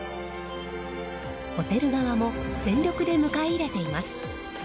ホテル側も全力で迎え入れています。